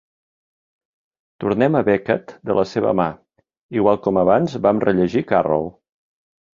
Tornem a Beckett de la seva mà, igual com abans vam rellegir Carroll.